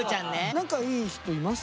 仲いい人います？